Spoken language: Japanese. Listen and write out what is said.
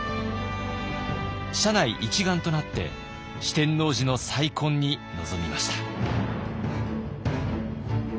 社内一丸となって四天王寺の再建に臨みました。